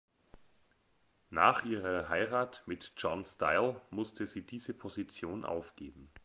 Nach ihrer Heirat mit John Style musste sie diese Position aufgeben.